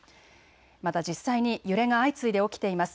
また実際に揺れが相次いで起きています。